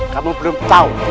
kamu belum tahu